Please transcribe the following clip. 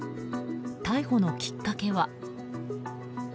逮捕のきっかけは。